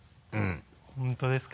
本当ですか？